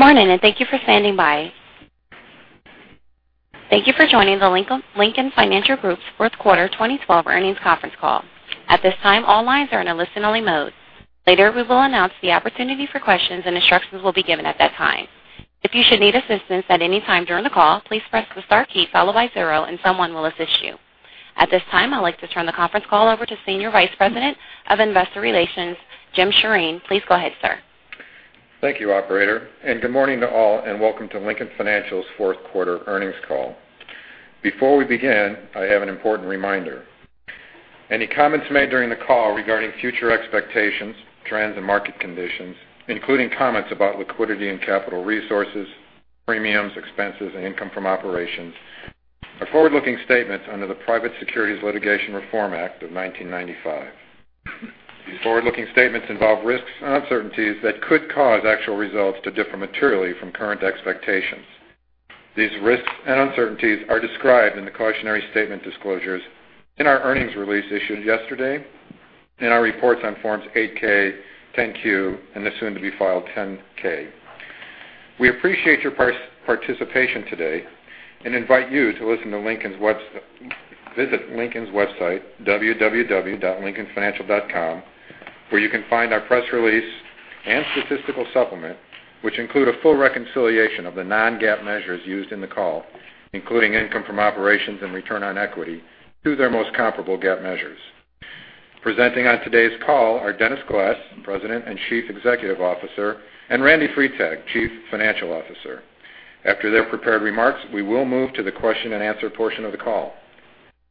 Good morning, thank you for standing by. Thank you for joining the Lincoln Financial Group's fourth quarter 2012 earnings conference call. At this time, all lines are in a listen-only mode. Later, we will announce the opportunity for questions, instructions will be given at that time. If you should need assistance at any time during the call, please press the star key followed by zero, and someone will assist you. At this time, I'd like to turn the conference call over to Senior Vice President of Investor Relations, Jim Sjoreen. Please go ahead, sir. Thank you, operator, good morning to all, and welcome to Lincoln Financial's fourth quarter earnings call. Before we begin, I have an important reminder. Any comments made during the call regarding future expectations, trends, and market conditions, including comments about liquidity and capital resources, premiums, expenses, and income from operations, are forward-looking statements under the Private Securities Litigation Reform Act of 1995. These forward-looking statements involve risks and uncertainties that could cause actual results to differ materially from current expectations. These risks and uncertainties are described in the cautionary statement disclosures in our earnings release issued yesterday, in our reports on Forms 8-K, 10-Q, and the soon-to-be-filed 10-K. We appreciate your participation today, and invite you to visit Lincoln's website, www.lincolnfinancial.com, where you can find our press release and statistical supplement, which include a full reconciliation of the non-GAAP measures used in the call, including income from operations and return on equity to their most comparable GAAP measures. Presenting on today's call are Dennis Glass, President and Chief Executive Officer, and Randy Freitag, Chief Financial Officer. After their prepared remarks, we will move to the question and answer portion of the call.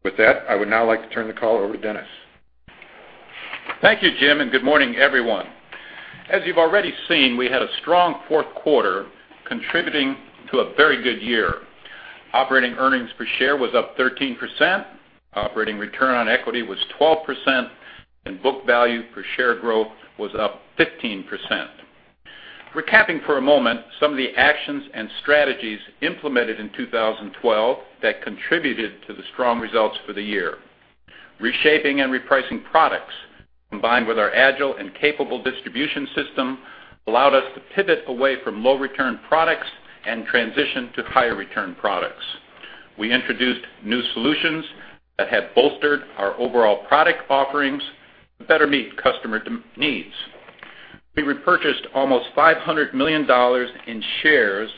With that, I would now like to turn the call over to Dennis. Thank you, Jim, good morning, everyone. As you've already seen, we had a strong fourth quarter contributing to a very good year. Operating earnings per share was up 13%, operating return on equity was 12%, and book value per share growth was up 15%. Recapping for a moment some of the actions and strategies implemented in 2012 that contributed to the strong results for the year. Reshaping and repricing products, combined with our agile and capable distribution system, allowed us to pivot away from low-return products and transition to higher return products. We introduced new solutions that have bolstered our overall product offerings to better meet customer needs. We repurchased almost $500 million in shares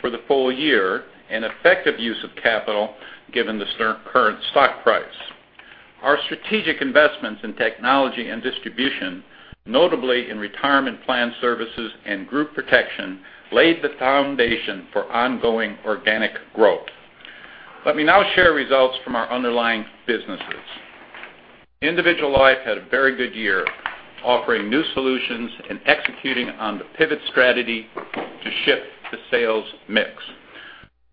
for the full year, an effective use of capital given the current stock price. Our strategic investments in technology and distribution, notably in Retirement Plan Services and Group Protection, laid the foundation for ongoing organic growth. Let me now share results from our underlying businesses. Individual Life had a very good year, offering new solutions and executing on the pivot strategy to shift the sales mix.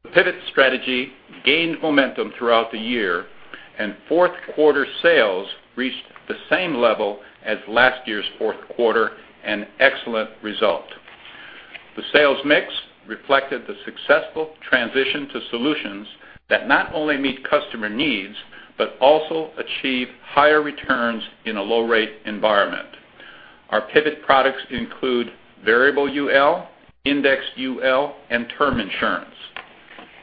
The pivot strategy gained momentum throughout the year, and fourth quarter sales reached the same level as last year's fourth quarter, an excellent result. The sales mix reflected the successful transition to solutions that not only meet customer needs but also achieve higher returns in a low-rate environment. Our pivot products include Variable UL, Indexed UL, and term insurance.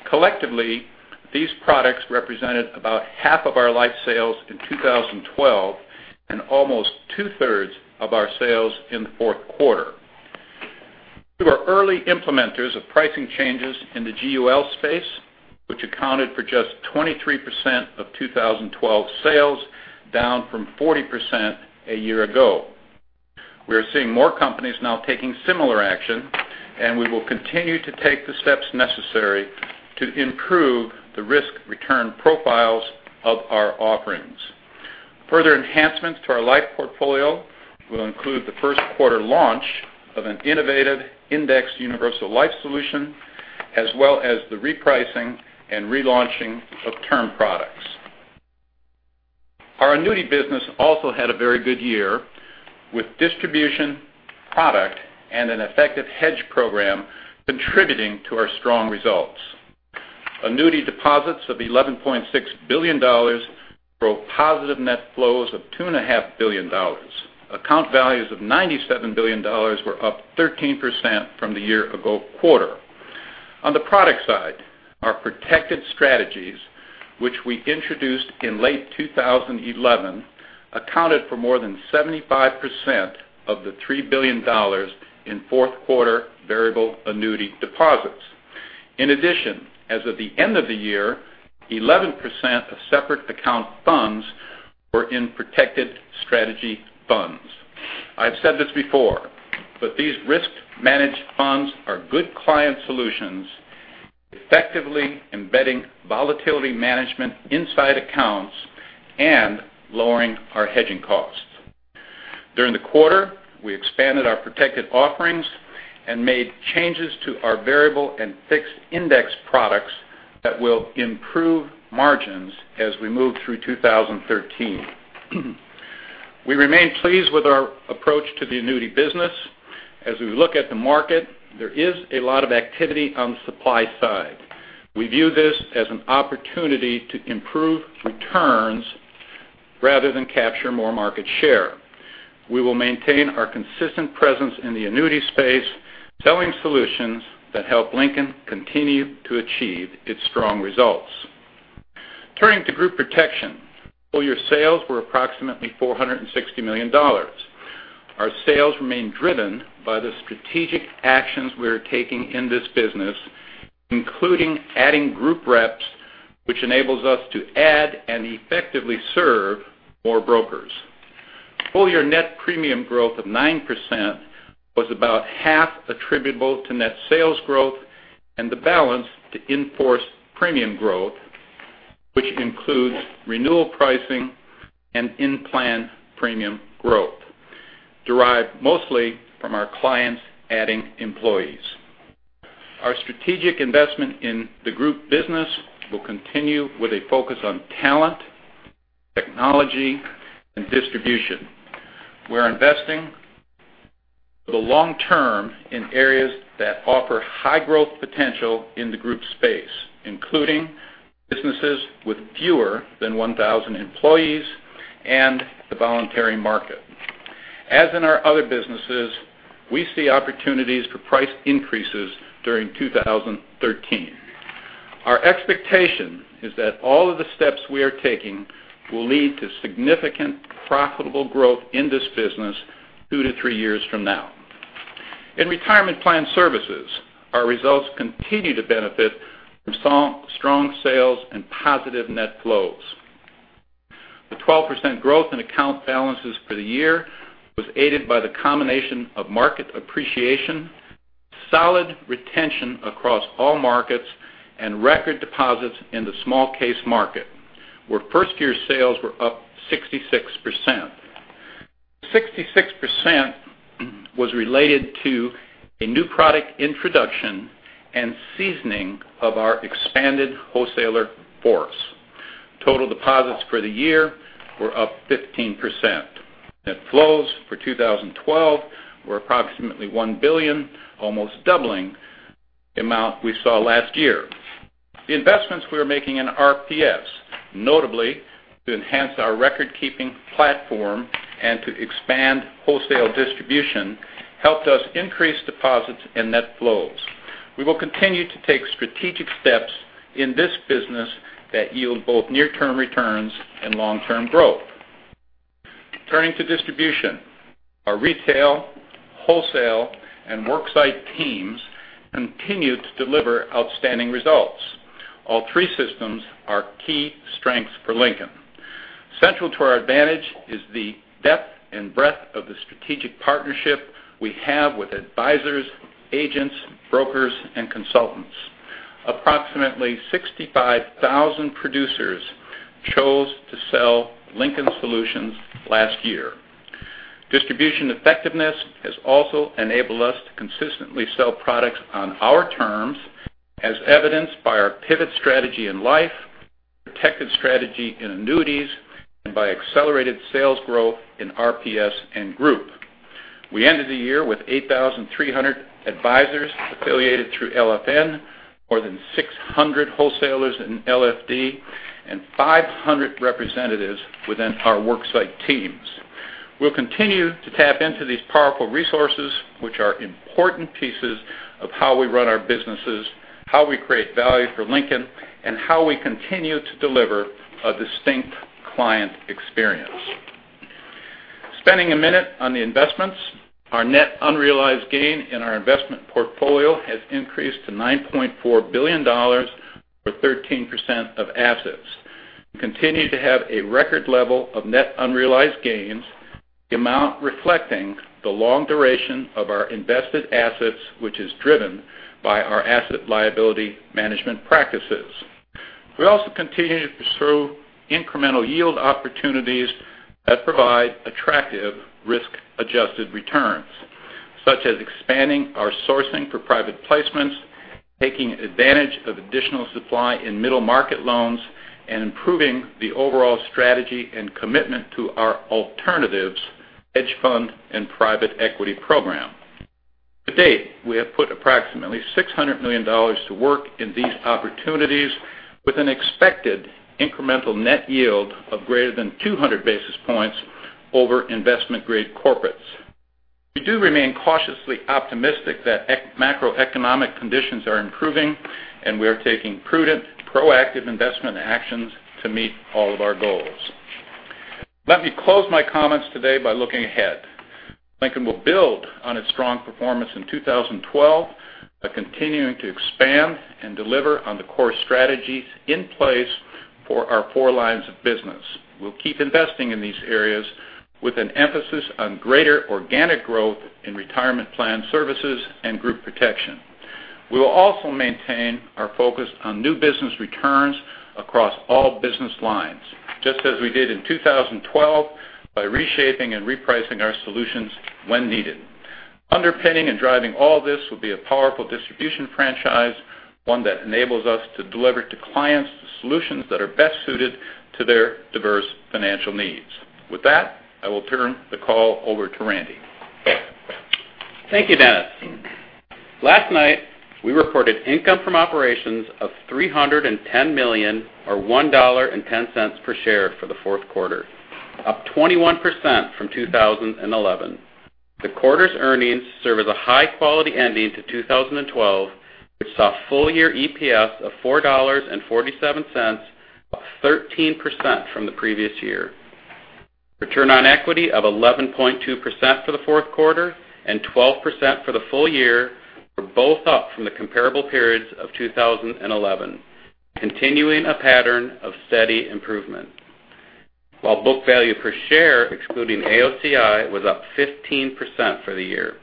Collectively, these products represented about half of our life sales in 2012 and almost two-thirds of our sales in the fourth quarter. We were early implementers of pricing changes in the GUL space, which accounted for just 23% of 2012 sales, down from 40% a year ago. We are seeing more companies now taking similar action, and we will continue to take the steps necessary to improve the risk-return profiles of our offerings. Further enhancements to our life portfolio will include the first quarter launch of an innovative Indexed Universal Life solution, as well as the repricing and relaunching of term products. Our annuity business also had a very good year, with distribution, product, and an effective hedge program contributing to our strong results. Annuity deposits of $11.6 billion drove positive net flows of $2.5 billion. Account values of $97 billion were up 13% from the year ago quarter. On the product side, our protected strategies, which we introduced in late 2011, accounted for more than 75% of the $3 billion in fourth quarter variable annuity deposits. In addition, as of the end of the year, 11% of separate account funds were in protected strategy funds. I've said this before, but these risk managed funds are good client solutions, effectively embedding volatility management inside accounts and lowering our hedging costs. During the quarter, we expanded our protected offerings and made changes to our variable and fixed index products that will improve margins as we move through 2013. We remain pleased with our approach to the annuity business. As we look at the market, there is a lot of activity on the supply side. We view this as an opportunity to improve returns rather than capture more market share. We will maintain our consistent presence in the annuity space, selling solutions that help Lincoln continue to achieve its strong results. Turning to Group Protection. Full year sales were approximately $460 million. Our sales remain driven by the strategic actions we are taking in this business, including adding group reps, which enables us to add and effectively serve more brokers. Full year net premium growth of 9% was about half attributable to net sales growth and the balance to in-force premium growth, which includes renewal pricing and in-plan premium growth, derived mostly from our clients adding employees. Our strategic investment in the group business will continue with a focus on talent, technology, and distribution. We're investing for the long term in areas that offer high growth potential in the group space, including businesses with fewer than 1,000 employees and the voluntary market. As in our other businesses, we see opportunities for price increases during 2013. Our expectation is that all of the steps we are taking will lead to significant profitable growth in this business two to three years from now. In Retirement Plan Services, our results continue to benefit from strong sales and positive net flows. The 12% growth in account balances for the year was aided by the combination of market appreciation, solid retention across all markets, and record deposits in the small case market, where first year sales were up 66%. 66% was related to a new product introduction and seasoning of our expanded wholesaler force. Total deposits for the year were up 15%. Net flows for 2012 were approximately $1 billion, almost doubling the amount we saw last year. The investments we are making in RPS, notably to enhance our record-keeping platform and to expand wholesale distribution, helped us increase deposits and net flows. We will continue to take strategic steps in this business that yield both near-term returns and long-term growth. Turning to distribution. Our retail, wholesale, and worksite teams continued to deliver outstanding results. All three systems are key strengths for Lincoln. Central to our advantage is the depth and breadth of the strategic partnership we have with advisors, agents, brokers, and consultants. Approximately 65,000 producers chose to sell Lincoln solutions last year. Distribution effectiveness has also enabled us to consistently sell products on our terms, as evidenced by our pivot strategy in life, protected strategy in annuities, and by accelerated sales growth in RPS and group. We ended the year with 8,300 advisors affiliated through LFN, more than 600 wholesalers in LFD, and 500 representatives within our worksite teams. We'll continue to tap into these powerful resources, which are important pieces of how we run our businesses, how we create value for Lincoln, and how we continue to deliver a distinct client experience. Spending a minute on the investments. Our net unrealized gain in our investment portfolio has increased to $9.4 billion, or 13% of assets. We continue to have a record level of net unrealized gains, the amount reflecting the long duration of our invested assets, which is driven by our asset liability management practices. We also continue to pursue incremental yield opportunities that provide attractive risk-adjusted returns, such as expanding our sourcing for private placements, taking advantage of additional supply in middle market loans, and improving the overall strategy and commitment to our alternatives, hedge fund, and private equity program. To date, we have put approximately $600 million to work in these opportunities with an expected incremental net yield of greater than 200 basis points over investment-grade corporates. We do remain cautiously optimistic that macroeconomic conditions are improving, and we are taking prudent, proactive investment actions to meet all of our goals. Let me close my comments today by looking ahead. Lincoln will build on its strong performance in 2012 by continuing to expand and deliver on the core strategies in place for our four lines of business. We'll keep investing in these areas with an emphasis on greater organic growth in retirement plan services and group protection. We will also maintain our focus on new business returns across all business lines, just as we did in 2012 by reshaping and repricing our solutions when needed. Underpinning and driving all this will be a powerful distribution franchise, one that enables us to deliver to clients the solutions that are best suited to their diverse financial needs. With that, I will turn the call over to Randy. Thank you, Dennis. Last night, we reported income from operations of $310 million or $1.10 per share for the fourth quarter, up 21% from 2011. The quarter's earnings serve as a high-quality ending to 2012, which saw full-year EPS of $4.47, up 13% from the previous year. Return on equity of 11.2% for the fourth quarter and 12% for the full year were both up from the comparable periods of 2011, continuing a pattern of steady improvement. While book value per share, excluding AOCI, was up 15% for the year.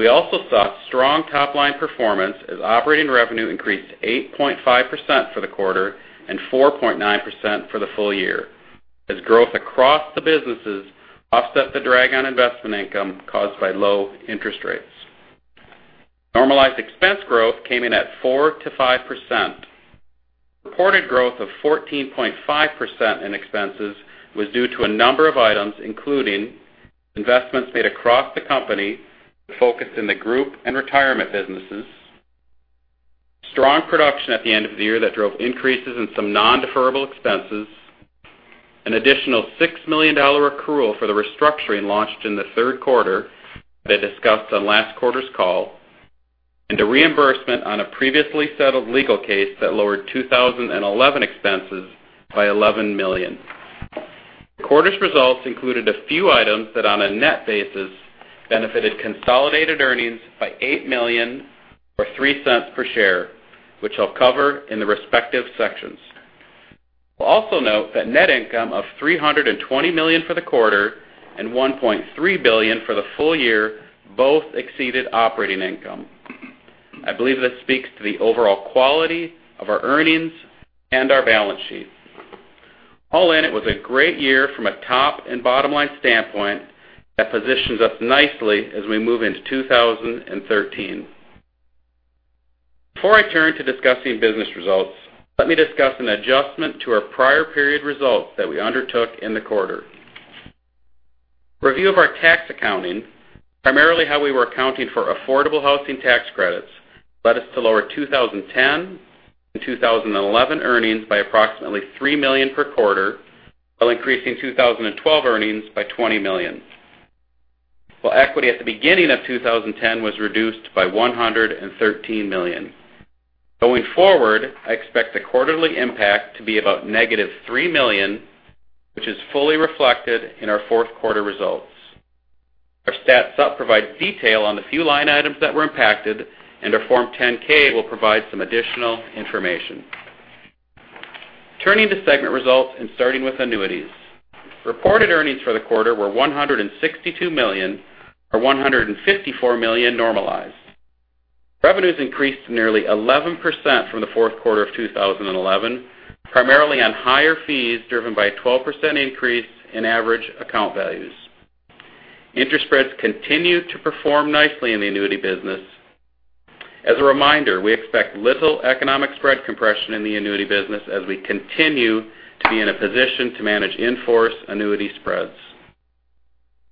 We also saw strong top-line performance as operating revenue increased 8.5% for the quarter and 4.9% for the full year, as growth across the businesses offset the drag on investment income caused by low interest rates. Normalized expense growth came in at 4%-5%. Reported growth of 14.5% in expenses was due to a number of items, including investments made across the company with focus in the group and retirement businesses, strong production at the end of the year that drove increases in some non-deferrable expenses, an additional $6 million accrual for the restructuring launched in the third quarter that I discussed on last quarter's call, and a reimbursement on a previously settled legal case that lowered 2011 expenses by $11 million. The quarter's results included a few items that, on a net basis, benefited consolidated earnings by $8 million or $0.03 per share, which I'll cover in the respective sections. I'll also note that net income of $320 million for the quarter and $1.3 billion for the full year both exceeded operating income. I believe this speaks to the overall quality of our earnings and our balance sheet. All in, it was a great year from a top and bottom line standpoint that positions us nicely as we move into 2013. Before I turn to discussing business results, let me discuss an adjustment to our prior period results that we undertook in the quarter. Review of our tax accounting, primarily how we were accounting for affordable housing tax credits, led us to lower 2010 and 2011 earnings by approximately $3 million per quarter, while increasing 2012 earnings by $20 million. While equity at the beginning of 2010 was reduced by $113 million. Going forward, I expect the quarterly impact to be about negative $3 million, which is fully reflected in our fourth quarter results. Our stat sup provide detail on the few line items that were impacted, and our Form 10-K will provide some additional information. Turning to segment results and starting with annuities. Reported earnings for the quarter were $162 million, or $154 million normalized. Revenues increased nearly 11% from the fourth quarter of 2011, primarily on higher fees driven by a 12% increase in average account values. Interest spreads continued to perform nicely in the annuity business. As a reminder, we expect little economic spread compression in the annuity business as we continue to be in a position to manage in-force annuity spreads.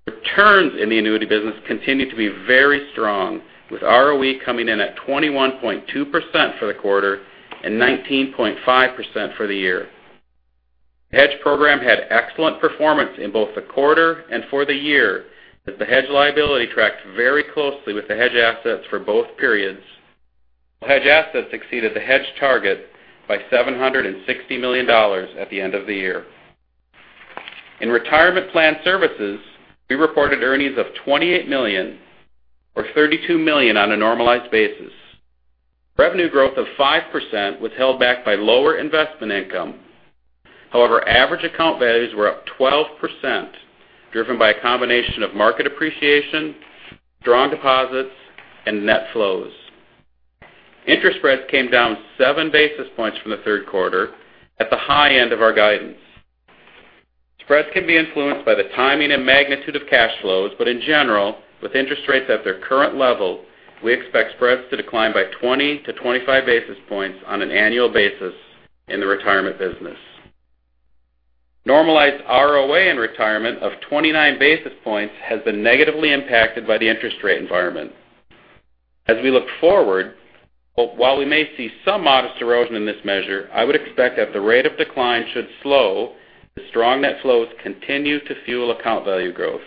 Returns in the annuity business continue to be very strong, with ROE coming in at 21.2% for the quarter and 19.5% for the year. The hedge program had excellent performance in both the quarter and for the year as the hedge liability tracked very closely with the hedge assets for both periods. Hedge assets exceeded the hedge target by $760 million at the end of the year. In retirement plan services, we reported earnings of $28 million, or $32 million on a normalized basis. Revenue growth of 5% was held back by lower investment income. However, average account values were up 12%, driven by a combination of market appreciation, strong deposits, and net flows. Interest spreads came down seven basis points from the third quarter at the high end of our guidance. Spreads can be influenced by the timing and magnitude of cash flows, but in general, with interest rates at their current level, we expect spreads to decline by 20 to 25 basis points on an annual basis in the retirement business. Normalized ROA in retirement of 29 basis points has been negatively impacted by the interest rate environment. As we look forward, while we may see some modest erosion in this measure, I would expect that the rate of decline should slow as strong net flows continue to fuel account value growth.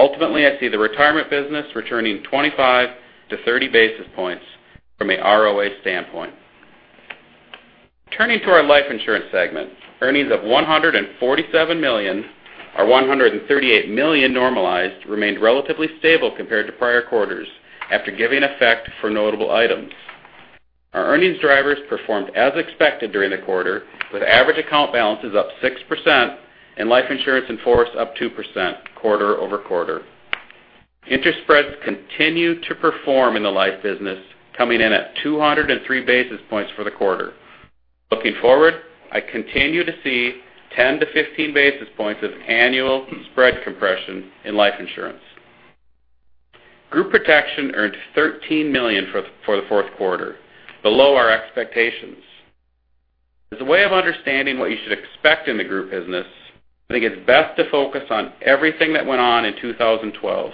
Ultimately, I see the retirement business returning 25 to 30 basis points from a ROA standpoint. Turning to our life insurance segment, earnings of $147 million, or $138 million normalized, remained relatively stable compared to prior quarters after giving effect for notable items. Our earnings drivers performed as expected during the quarter, with average account balances up 6% and life insurance in force up 2% quarter-over-quarter. Interest spreads continued to perform in the life business, coming in at 203 basis points for the quarter. Looking forward, I continue to see 10 to 15 basis points of annual spread compression in life insurance. Group protection earned $13 million for the fourth quarter, below our expectations. As a way of understanding what you should expect in the group business, I think it's best to focus on everything that went on in 2012.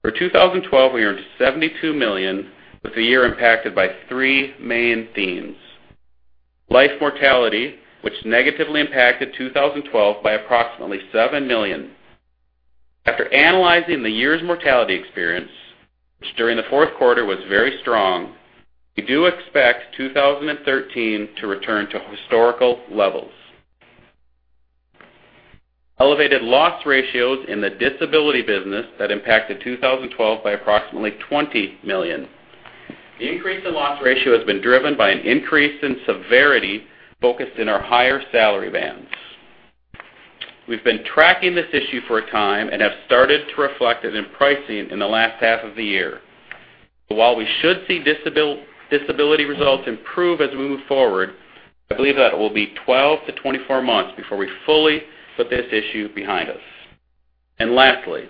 For 2012, we earned $72 million, with the year impacted by three main themes. Life mortality, which negatively impacted 2012 by approximately $7 million. After analyzing the year's mortality experience, which during the fourth quarter was very strong, we do expect 2013 to return to historical levels. Elevated loss ratios in the disability business that impacted 2012 by approximately $20 million. The increase in loss ratio has been driven by an increase in severity focused in our higher salary bands. We've been tracking this issue for a time and have started to reflect it in pricing in the last half of the year. While we should see disability results improve as we move forward, I believe that it will be 12 to 24 months before we fully put this issue behind us. Lastly,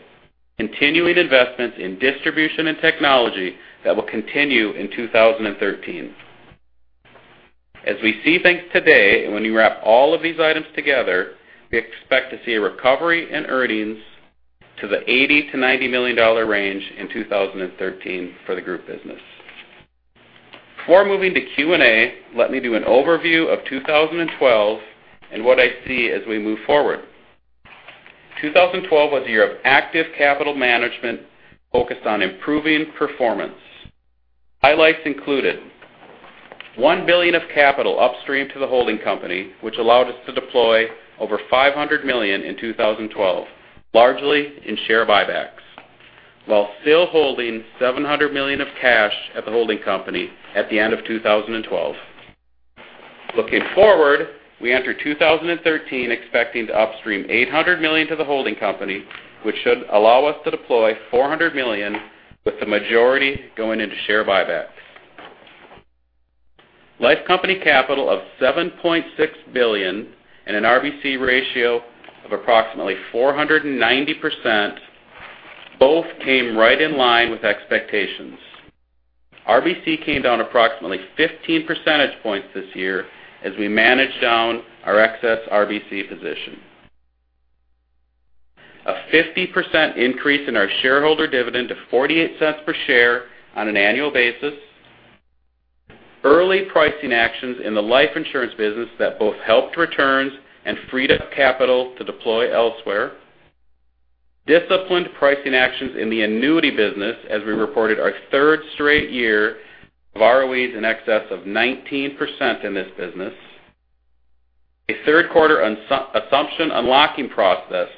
continuing investments in distribution and technology that will continue in 2013. As we see things today, when you wrap all of these items together, we expect to see a recovery in earnings to the $80 million to $90 million range in 2013 for the group business. Before moving to Q&A, let me do an overview of 2012 and what I see as we move forward. 2012 was a year of active capital management focused on improving performance. Highlights included $1 billion of capital upstream to the holding company, which allowed us to deploy over $500 million in 2012, largely in share buybacks, while still holding $700 million of cash at the holding company at the end of 2012. Looking forward, we enter 2013 expecting to upstream $800 million to the holding company, which should allow us to deploy $400 million with the majority going into share buybacks. Life company capital of $7.6 billion and an RBC ratio of approximately 490%, both came right in line with expectations. RBC came down approximately 15 percentage points this year as we managed down our excess RBC position. A 50% increase in our shareholder dividend to $0.48 per share on an annual basis. Early pricing actions in the life insurance business that both helped returns and freed up capital to deploy elsewhere. Disciplined pricing actions in the annuity business as we reported our third straight year of ROEs in excess of 19% in this business. A third quarter assumption unlocking process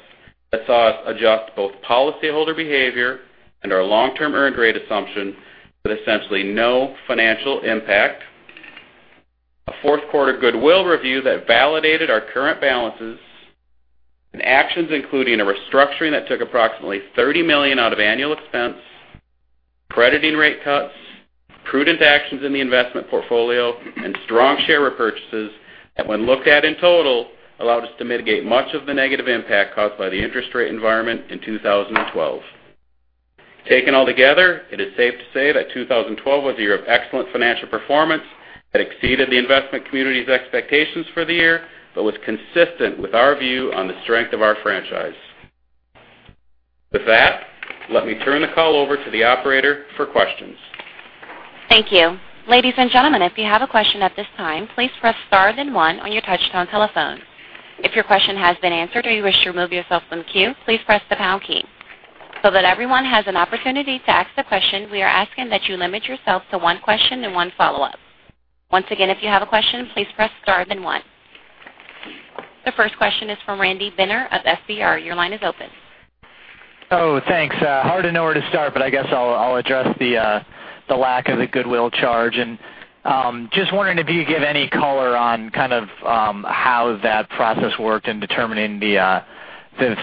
that saw us adjust both policyholder behavior and our long-term earned rate assumption with essentially no financial impact. A fourth quarter goodwill review that validated our current balances, actions including a restructuring that took approximately $30 million out of annual expense, crediting rate cuts, prudent actions in the investment portfolio, and strong share repurchases that when looked at in total, allowed us to mitigate much of the negative impact caused by the interest rate environment in 2012. Taken all together, it is safe to say that 2012 was a year of excellent financial performance that exceeded the investment community's expectations for the year, was consistent with our view on the strength of our franchise. With that, let me turn the call over to the operator for questions. Thank you. Ladies and gentlemen, if you have a question at this time, please press star then one on your touchtone telephone. If your question has been answered or you wish to remove yourself from the queue, please press the pound key. That everyone has an opportunity to ask a question, we are asking that you limit yourself to one question and one follow-up. Once again, if you have a question, please press star then one. The first question is from Randy Binner of FBR. Your line is open. Oh, thanks. Hard to know where to start. I guess I'll address the lack of the goodwill charge. Just wondering if you could give any color on how that process worked in determining the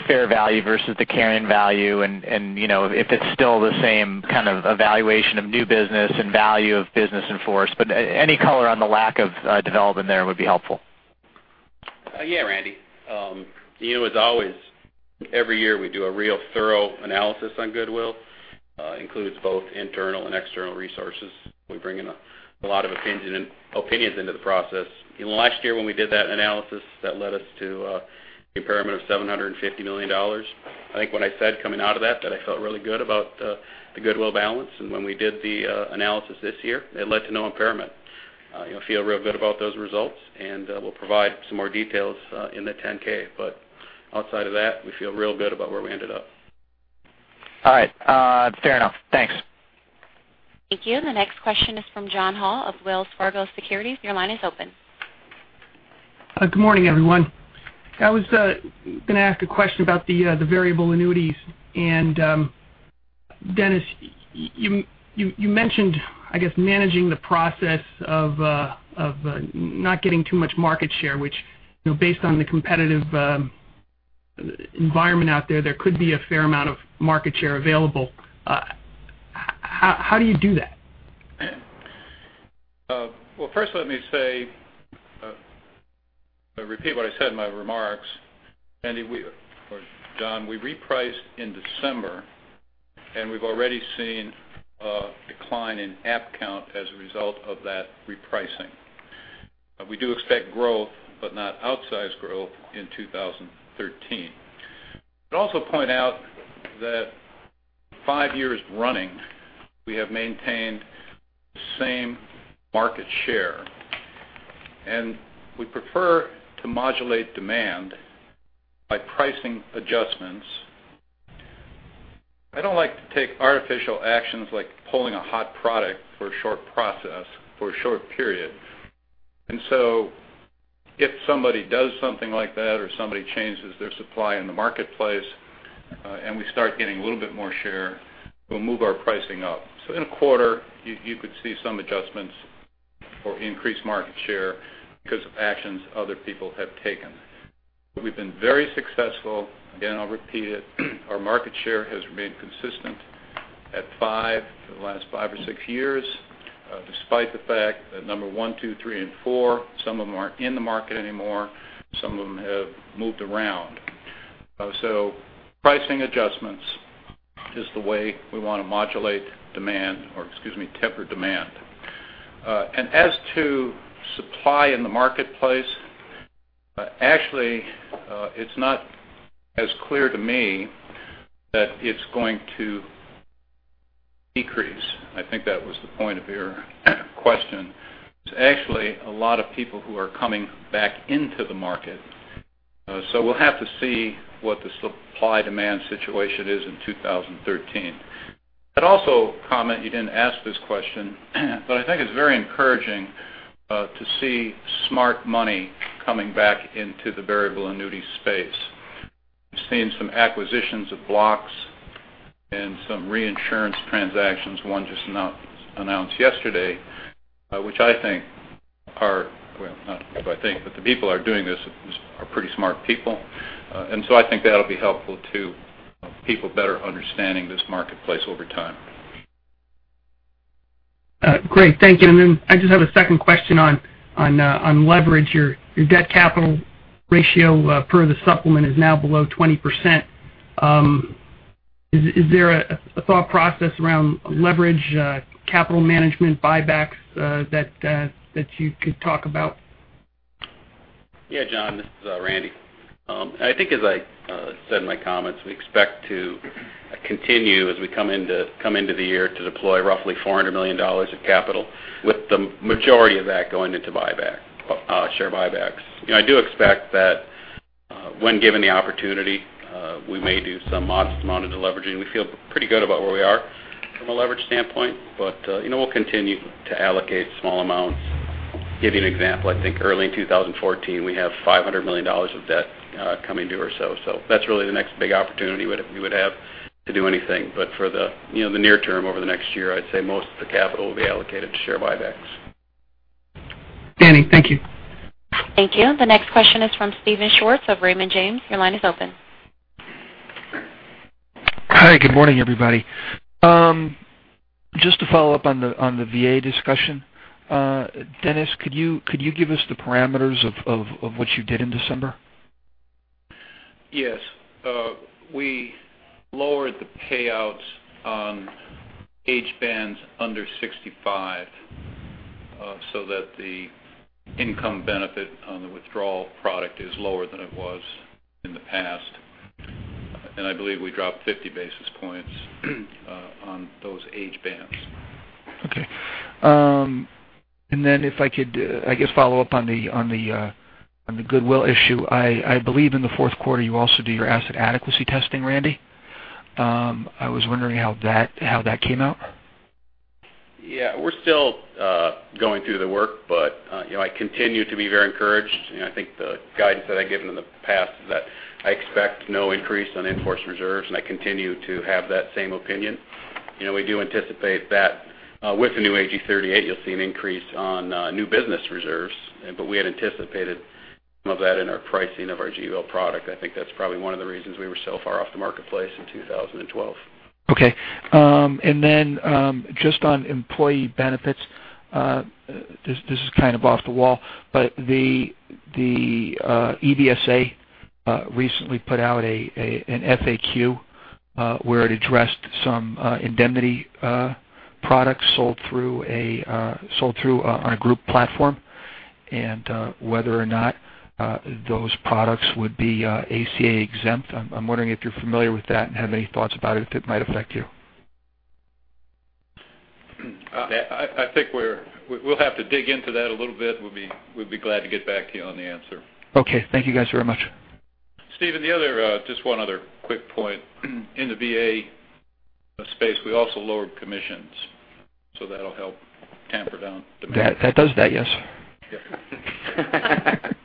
fair value versus the carrying value, and if it's still the same kind of evaluation of new business and value of business in force. Any color on the lack of development there would be helpful. Randy. As always, every year we do a real thorough analysis on goodwill, includes both internal and external resources. We bring in a lot of opinions into the process. Last year when we did that analysis, that led us to an impairment of $750 million. I think what I said coming out of that I felt really good about the goodwill balance. When we did the analysis this year, it led to no impairment. I feel real good about those results, and we'll provide some more details in the 10-K. Outside of that, we feel real good about where we ended up. All right. Fair enough. Thanks. Thank you. The next question is from John Hall of Wells Fargo Securities. Your line is open. Good morning, everyone. I was going to ask a question about the variable annuities. Dennis, you mentioned, I guess, managing the process of not getting too much market share, which based on the competitive environment out there could be a fair amount of market share available. How do you do that? Well, first let me say, I'll repeat what I said in my remarks. Andy, or John, we repriced in December, and we've already seen a decline in app count as a result of that repricing. We do expect growth, but not outsized growth in 2013. I'd also point out that five years running, we have maintained the same market share, and we prefer to modulate demand by pricing adjustments. I don't like to take artificial actions like pulling a hot product for a short process for a short period. If somebody does something like that or somebody changes their supply in the marketplace, and we start getting a little bit more share, we'll move our pricing up. In a quarter, you could see some adjustments or increased market share because of actions other people have taken. We've been very successful. Again, I'll repeat it. Our market share has remained consistent for the last five or six years, despite the fact that number one, two, three, and four, some of them aren't in the market anymore. Some of them have moved around. Pricing adjustments is the way we want to modulate demand, or excuse me, temper demand. As to supply in the marketplace, actually, it's not as clear to me that it's going to decrease. I think that was the point of your question. There's actually a lot of people who are coming back into the market. We'll have to see what the supply-demand situation is in 2013. I'd also comment, you didn't ask this question, but I think it's very encouraging to see smart money coming back into the variable annuity space. We've seen some acquisitions of blocks and some reinsurance transactions, one just announced yesterday which I think, not what I think, but the people are doing this are pretty smart people. I think that'll be helpful to people better understanding this marketplace over time. Great. Thank you. I just have a second question on leverage. Your debt capital ratio per the supplement is now below 20%. Is there a thought process around leverage, capital management, buybacks that you could talk about? Yeah, John, this is Randy. I think as I said in my comments, we expect to continue as we come into the year to deploy roughly $400 million of capital, with the majority of that going into share buybacks. I do expect that when given the opportunity, we may do some modest amount of de-leveraging. We feel pretty good about where we are from a leverage standpoint, but we'll continue to allocate small amounts. Give you an example, I think early in 2014, we have $500 million of debt coming due ourselves. That's really the next big opportunity we would have to do anything. For the near term, over the next year, I'd say most of the capital will be allocated to share buybacks. Randy, thank you. Thank you. The next question is from Steven Schwartz of Raymond James. Your line is open. Hi. Good morning, everybody. Just to follow up on the VA discussion. Dennis, could you give us the parameters of what you did in December? Yes. We lowered the payouts on age bands under 65, so that the income benefit on the withdrawal product is lower than it was in the past. I believe we dropped 50 basis points on those age bands. Okay. Then if I could, I guess, follow up on the goodwill issue. I believe in the fourth quarter, you also do your asset adequacy testing, Randy. I was wondering how that came out. Yeah. We're still going through the work, but I continue to be very encouraged, and I think the guidance that I'd given in the past is that I expect no increase on enforced reserves, and I continue to have that same opinion. We do anticipate that with the new AG 38, you'll see an increase on new business reserves. We had anticipated some of that in our pricing of our GUL product. I think that's probably one of the reasons we were so far off the marketplace in 2012. Okay. Just on employee benefits. This is kind of off the wall, the EBSA recently put out an FAQ where it addressed some indemnity products sold through on a group platform, and whether or not those products would be ACA exempt. I'm wondering if you're familiar with that and have any thoughts about it, if it might affect you. I think we'll have to dig into that a little bit. We'd be glad to get back to you on the answer. Okay. Thank you guys very much. Steven, just one other quick point. In the VA space, we also lowered commissions, that'll help taper down demand. That does that, yes. Yep.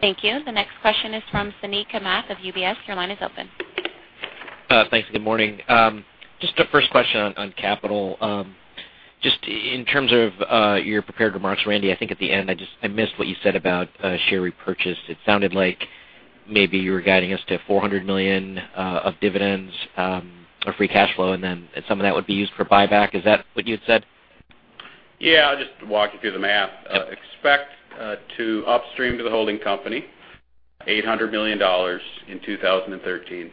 Thank you. The next question is from Suneet Kamath of UBS. Your line is open. Thanks. Good morning. Just a first question on capital. Just in terms of your prepared remarks, Randy, I think at the end, I missed what you said about share repurchase. It sounded like maybe you were guiding us to $400 million of dividends or free cash flow, then some of that would be used for buyback. Is that what you had said? Yeah. I'll just walk you through the math. Expect to upstream to the holding company $800 million in 2013.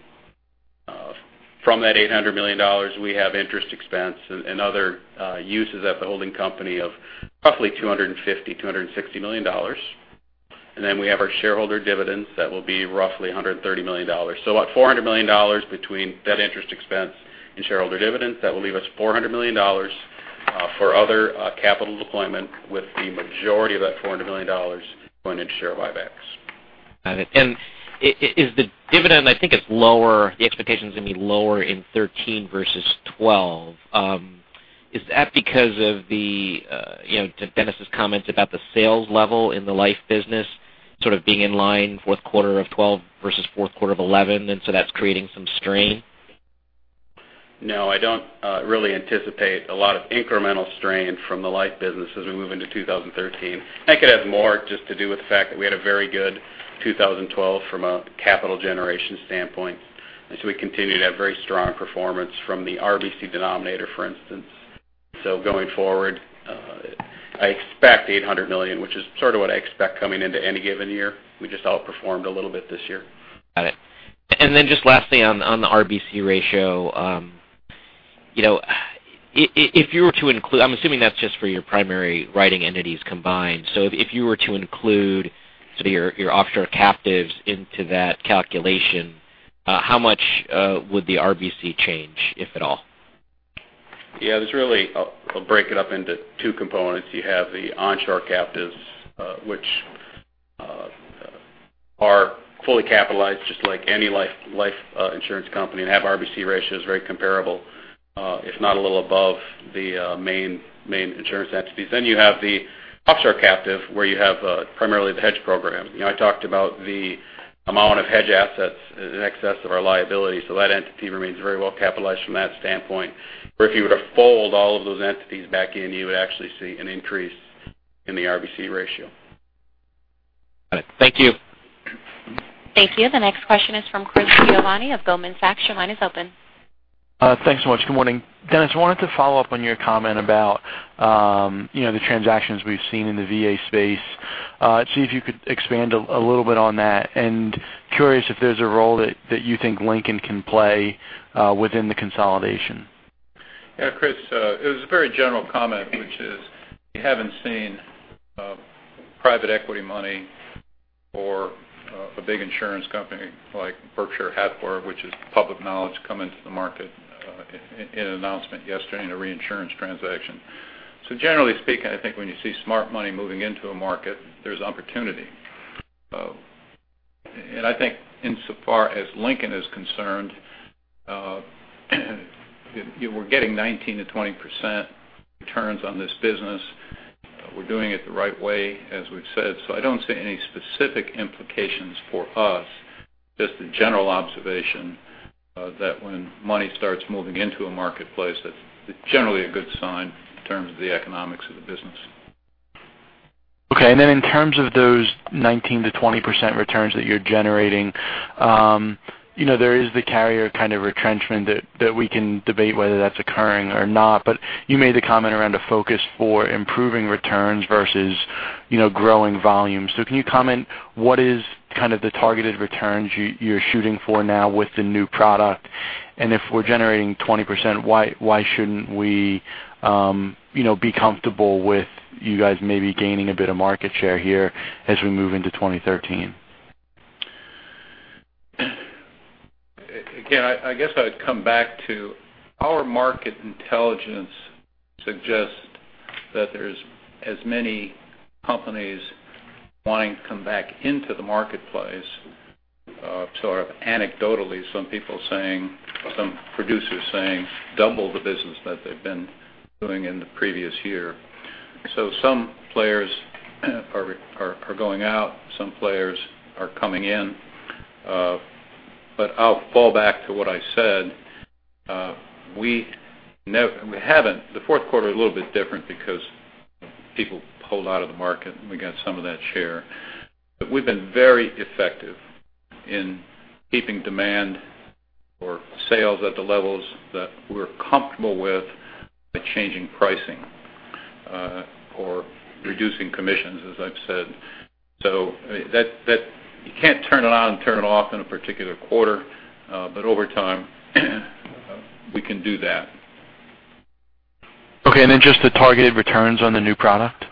From that $800 million, we have interest expense and other uses at the holding company of roughly $250 million, $260 million. We have our shareholder dividends that will be roughly $130 million. About $400 million between debt interest expense and shareholder dividends. That will leave us $400 million for other capital deployment, with the majority of that $400 million going into share buybacks. Got it. Is the dividend, I think, is lower, the expectation is going to be lower in 2013 versus 2012. Is that because of the, to Dennis's comments about the sales level in the life business sort of being in line fourth quarter of 2012 versus fourth quarter of 2011, that's creating some strain? No, I don't really anticipate a lot of incremental strain from the life business as we move into 2013. I think it has more just to do with the fact that we had a very good 2012 from a capital generation standpoint, as we continue to have very strong performance from the RBC denominator, for instance. Going forward, I expect $800 million, which is sort of what I expect coming into any given year. We just outperformed a little bit this year. Got it. Just lastly on the RBC ratio. I'm assuming that's just for your primary writing entities combined. If you were to include your offshore captives into that calculation, how much would the RBC change, if at all? I'll break it up into 2 components. You have the onshore captives, which are fully capitalized just like any life insurance company and have RBC ratios very comparable, if not a little above the main insurance entities. You have the offshore captive where you have primarily the hedge program. I talked about the amount of hedge assets in excess of our liability, that entity remains very well capitalized from that standpoint, where if you were to fold all of those entities back in, you would actually see an increase in the RBC ratio. Got it. Thank you. Thank you. The next question is from Chris Giovanni of Goldman Sachs. Your line is open. Thanks so much. Good morning. Dennis, I wanted to follow up on your comment about the transactions we've seen in the VA space. See if you could expand a little bit on that, and curious if there's a role that you think Lincoln can play within the consolidation. Yeah, Chris, it was a very general comment, which is, we haven't seen private equity money or a big insurance company like Berkshire Hathaway, which is public knowledge, come into the market in an announcement yesterday in a reinsurance transaction. Generally speaking, I think when you see smart money moving into a market, there's opportunity. I think insofar as Lincoln is concerned, we're getting 19%-20% returns on this business. We're doing it the right way, as we've said. I don't see any specific implications for us, just the general observation that when money starts moving into a marketplace, that's generally a good sign in terms of the economics of the business. Okay. In terms of those 19%-20% returns that you're generating, there is the carrier kind of retrenchment that we can debate whether that's occurring or not. You made the comment around a focus for improving returns versus growing volume. Can you comment what is kind of the targeted returns you're shooting for now with the new product? If we're generating 20%, why shouldn't we be comfortable with you guys maybe gaining a bit of market share here as we move into 2013? Again, I guess I would come back to our market intelligence suggests that there's as many companies wanting to come back into the marketplace. Sort of anecdotally, some people saying or some producers saying double the business that they've been doing in the previous year. Some players are going out. Some players are coming in. I'll fall back to what I said. The fourth quarter a little bit different because people pulled out of the market, and we got some of that share. We've been very effective in keeping demand or sales at the levels that we're comfortable with by changing pricing or reducing commissions, as I've said. You can't turn it on and turn it off in a particular quarter. Over time, we can do that. Okay. Just the targeted returns on the new product?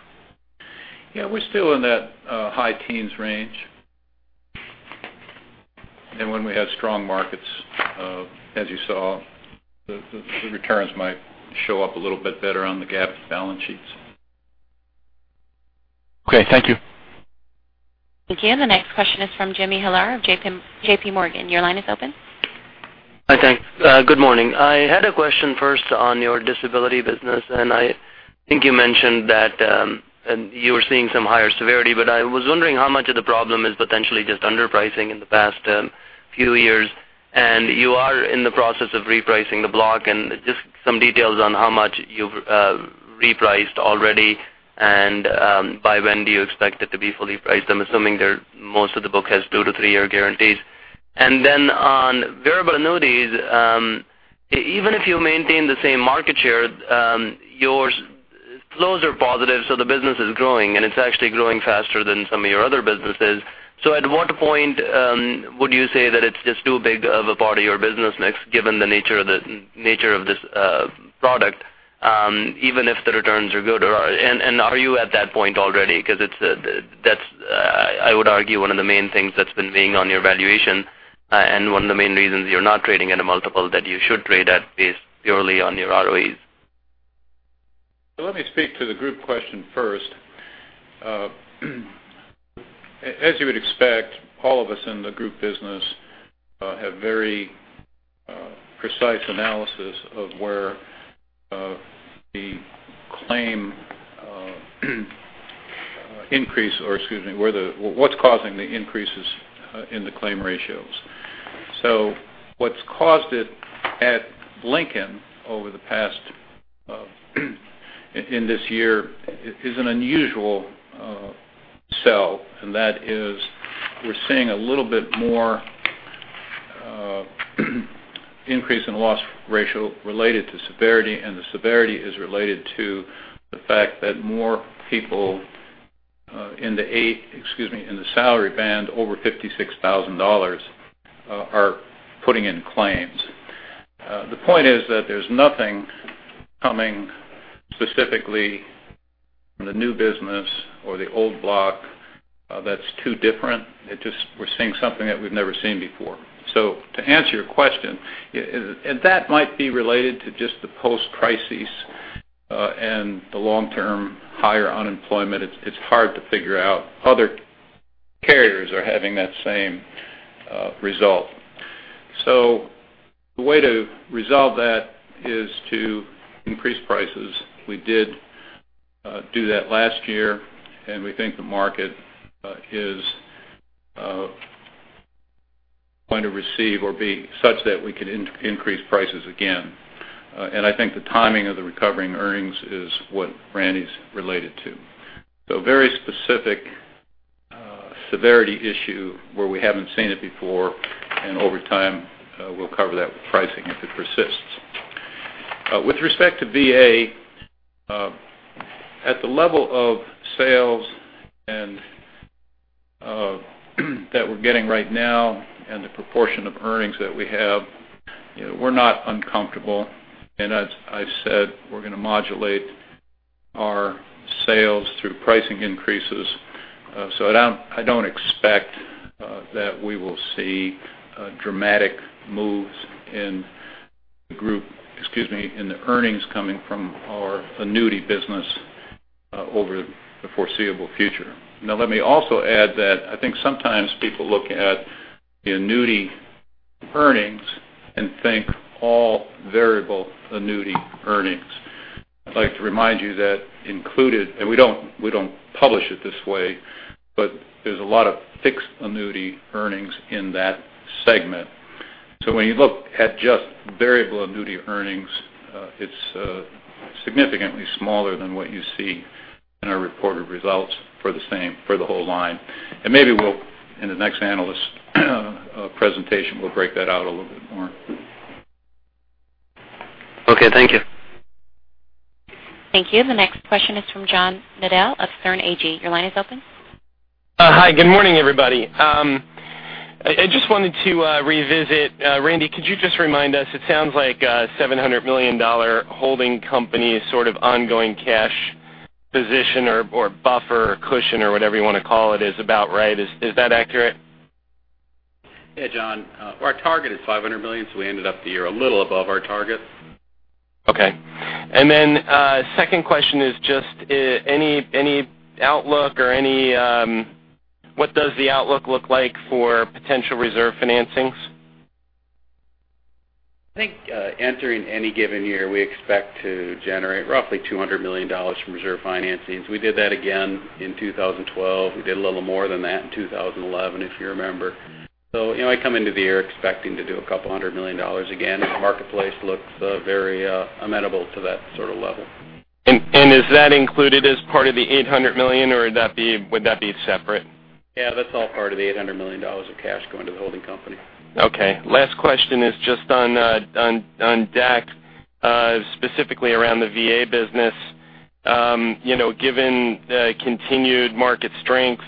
Yeah, we're still in that high teens range. When we have strong markets, as you saw, the returns might show up a little bit better on the GAAP balance sheets. Okay, thank you. Thank you. The next question is from Jimmy Bhoola of JPMorgan. Your line is open. Hi. Thanks. Good morning. I had a question first on your disability business. I think you mentioned that you were seeing some higher severity, but I was wondering how much of the problem is potentially just underpricing in the past few years. You are in the process of repricing the block, just some details on how much you've repriced already. By when do you expect it to be fully priced? I'm assuming that most of the book has two to three-year guarantees. On variable annuities, even if you maintain the same market share, your flows are positive, so the business is growing. It's actually growing faster than some of your other businesses. At what point would you say that it's just too big of a part of your business mix, given the nature of this product, even if the returns are good? Are you at that point already? Because I would argue, one of the main things that's been weighing on your valuation and one of the main reasons you're not trading at a multiple that you should trade at based purely on your ROEs. Let me speak to the group question first. As you would expect, all of us in the group business have very precise analysis of what's causing the increases in the claim ratios. What's caused it at Lincoln over in this year is an unusual cell. We're seeing a little bit more increase in loss ratio related to severity. The severity is related to the fact that more people in the salary band over $56,000 are putting in claims. The point is that there's nothing coming specifically from the new business or the old block that's too different. It's just we're seeing something that we've never seen before. To answer your question, that might be related to just the post-crisis and the long-term higher unemployment. It's hard to figure out. Other carriers are having that same result. The way to resolve that is to increase prices. We did do that last year. We think the market is going to receive or be such that we could increase prices again. I think the timing of the recovering earnings is what Randy's related to. Very specific severity issue where we haven't seen it before. Over time, we'll cover that with pricing if it persists. With respect to VA, at the level of sales that we're getting right now and the proportion of earnings that we have, we're not uncomfortable. As I've said, we're going to modulate our sales through pricing increases. I don't expect that we will see dramatic moves in the earnings coming from our annuity business over the foreseeable future. Let me also add that I think sometimes people look at the annuity earnings and think all variable annuity earnings. I'd like to remind you that included, and we don't publish it this way, but there's a lot of fixed annuity earnings in that segment. When you look at just variable annuity earnings, it's significantly smaller than what you see in our reported results for the whole line. Maybe in the next analyst presentation, we'll break that out a little bit more. Thank you. Thank you. The next question is from John Nadel of Sterne Agee. Your line is open. Good morning, everybody. I just wanted to revisit. Randy, could you just remind us, it sounds like a $700 million holding company sort of ongoing cash position or buffer or cushion or whatever you want to call it is about right. Is that accurate? Yeah, John. Our target is $500 million. We ended up the year a little above our target. Okay. Second question is just, what does the outlook look like for potential reserve financings? I think entering any given year, we expect to generate roughly $200 million from reserve financings. We did that again in 2012. We did a little more than that in 2011, if you remember. I come into the year expecting to do $200 million again. The marketplace looks very amenable to that sort of level. Is that included as part of the $800 million, or would that be separate? Yeah, that's all part of the $800 million of cash going to the holding company. Okay. Last question is just on DAC, specifically around the VA business. Given the continued market strength,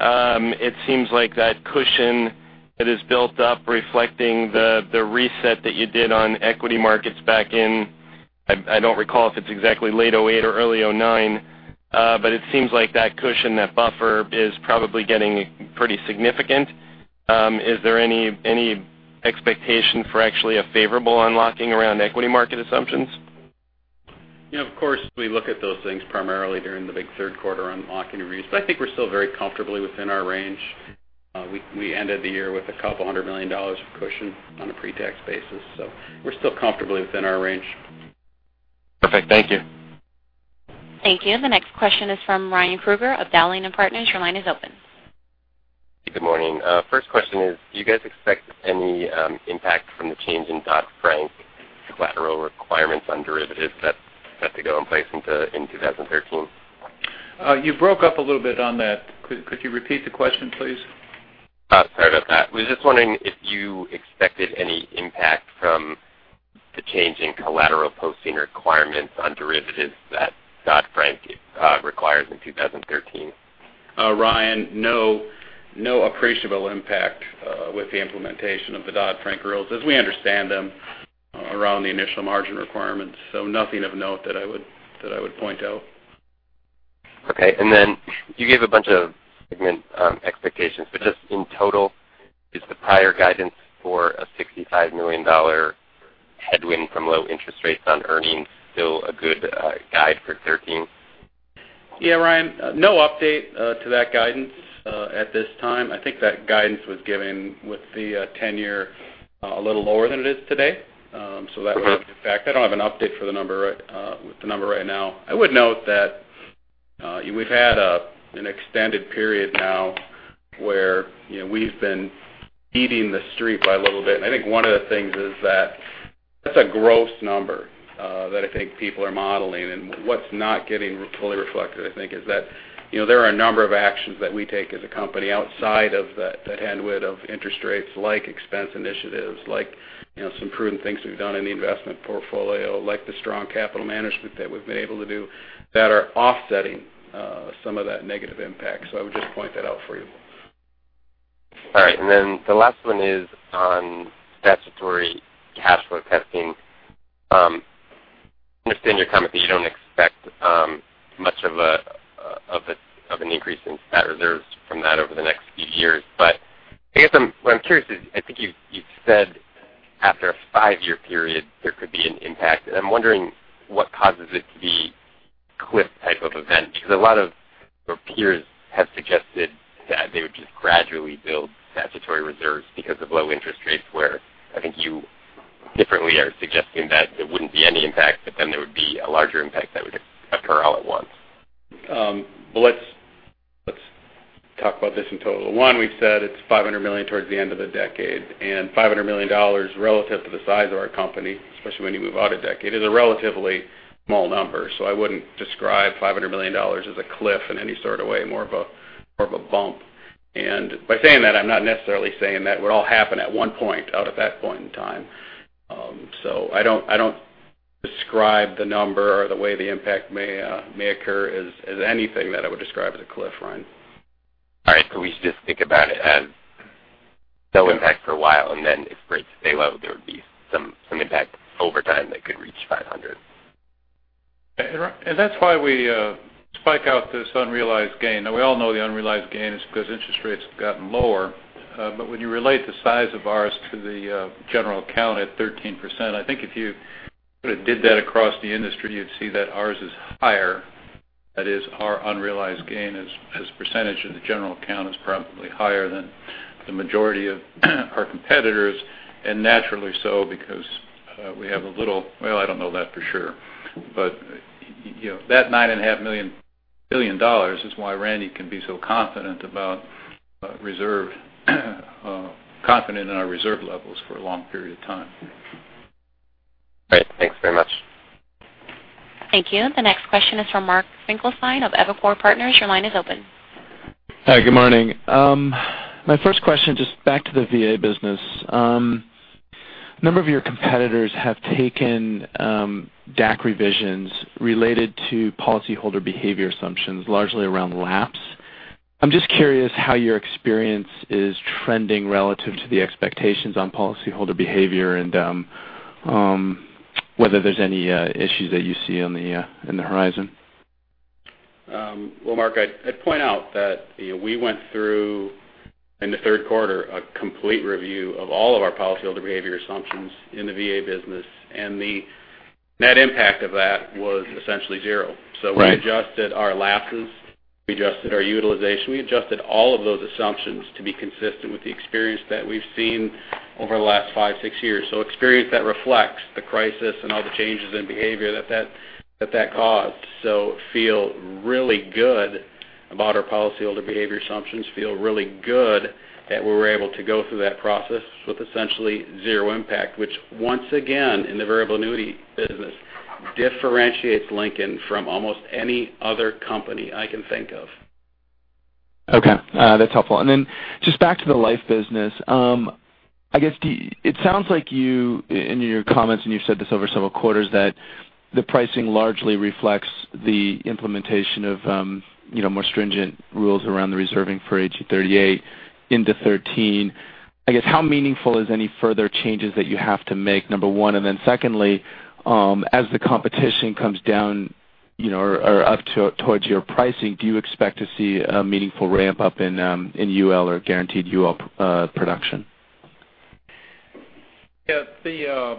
it seems like that cushion that is built up reflecting the reset that you did on equity markets back in, I don't recall if it's exactly late 2008 or early 2009, but it seems like that cushion, that buffer is probably getting pretty significant. Is there any expectation for actually a favorable unlocking around equity market assumptions? Of course, we look at those things primarily during the big third quarter unlocking review, but I think we're still very comfortably within our range. We ended the year with a $200 million of cushion on a pre-tax basis. We're still comfortably within our range. Perfect. Thank you. Thank you. The next question is from Ryan Krueger of Dowling & Partners. Your line is open. Good morning. First question is, do you guys expect any impact from the change in Dodd-Frank collateral requirements on derivatives that is set to go in place in 2013? You broke up a little bit on that. Could you repeat the question, please? Sorry about that. I was just wondering if you expected any impact from the change in collateral posting requirements on derivatives that Dodd-Frank requires in 2013. Ryan, no appreciable impact with the implementation of the Dodd-Frank rules as we understand them around the initial margin requirements. Nothing of note that I would point out. Okay. You gave a bunch of segment expectations, but just in total, is the prior guidance for a $65 million headwind from low interest rates on earnings still a good guide for 2013? Yeah, Ryan, no update to that guidance at this time. I think that guidance was given with the 10-year a little lower than it is today. That was a factor. I don't have an update for the number right now. I would note that we've had an extended period now where we've been beating the street by a little bit. I think one of the things is that that's a gross number that I think people are modeling. What's not getting fully reflected, I think, is that there are a number of actions that we take as a company outside of that headwind of interest rates, like expense initiatives, like some prudent things we've done in the investment portfolio, like the strong capital management that we've been able to do, that are offsetting some of that negative impact. I would just point that out for you. All right. The last one is on statutory cash flow testing. I understand your comment that you don't expect much of an increase in that reserve from that over the next few years. I guess what I'm curious is, I think you've said after a five-year period, there could be an impact. I'm wondering what causes it to be cliff type of event. A lot of your peers have suggested that they would just gradually build statutory reserves because of low interest rates, where I think you differently are suggesting that there wouldn't be any impact, but then there would be a larger impact that would occur all at once. Well, let's talk about this in total. One, we've said it's $500 million towards the end of the decade, $500 million relative to the size of our company, especially when you move out a decade, is a relatively small number. I wouldn't describe $500 million as a cliff in any sort of way, more of a bump. By saying that, I'm not necessarily saying that would all happen at one point out at that point in time. I don't describe the number or the way the impact may occur as anything that I would describe as a cliff, Ryan. All right. We should just think about it as no impact for a while, and then if rates stay low, there would be some impact over time that could reach $500. That's why we spike out this unrealized gain. Now, we all know the unrealized gain is because interest rates have gotten lower. When you relate the size of ours to the general account at 13%, I think if you sort of did that across the industry, you'd see that ours is higher. That is, our unrealized gain as percentage of the general account is probably higher than the majority of our competitors, and naturally so because we have Well, I don't know that for sure. That $9.5 billion is why Randy can be so confident in our reserve levels for a long period of time. Great. Thanks very much. Thank you. The next question is from Mark Finkelstein of Evercore Partners. Your line is open. Hi, good morning. My first question, just back to the VA business. A number of your competitors have taken DAC revisions related to policyholder behavior assumptions largely around lapse. I'm just curious how your experience is trending relative to the expectations on policyholder behavior and whether there's any issues that you see in the horizon. Well, Mark, I'd point out that we went through, in the third quarter, a complete review of all of our policyholder behavior assumptions in the VA business, and the net impact of that was essentially zero. Right. We adjusted our lapses, we adjusted our utilization, we adjusted all of those assumptions to be consistent with the experience that we've seen over the last five, six years. Experience that reflects the crisis and all the changes in behavior that caused. Feel really good about our policyholder behavior assumptions. Feel really good that we were able to go through that process with essentially zero impact, which once again, in the variable annuity business, differentiates Lincoln from almost any other company I can think of. Okay. That's helpful. Just back to the life business. I guess it sounds like you, in your comments, and you've said this over several quarters, that the pricing largely reflects the implementation of more stringent rules around the reserving for Actuarial Guideline 38 into 2013. I guess how meaningful is any further changes that you have to make, number one? Secondly, as the competition comes down or up towards your pricing, do you expect to see a meaningful ramp-up in UL or guaranteed UL production? Yeah.